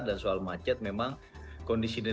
dan soal macet memang kondisi dinerja